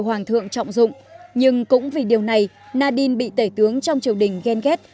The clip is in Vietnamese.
hoàng thượng trọng dụng nhưng cũng vì điều này nadine bị tẩy tướng trong triều đình ghen ghét